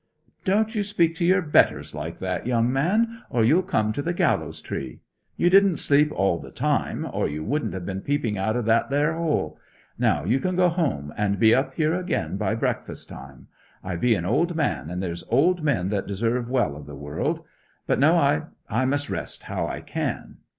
'Don't you speak to your betters like that, young man, or you'll come to the gallows tree! You didn't sleep all the time, or you wouldn't have been peeping out of that there hole! Now you can go home, and be up here again by breakfast time. I be an old man, and there's old men that deserve well of the world; but no I must rest how I can!'